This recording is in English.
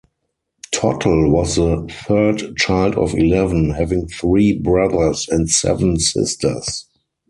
Tottel was the third child of eleven, having three brothers and seven sisters.